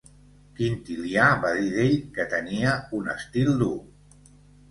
Quintilià va dir d'ell que tenia un estil dur.